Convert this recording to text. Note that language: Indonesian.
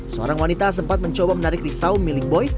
seorang wanita sempat mencoba menarik riksaun milik boy